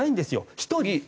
１人。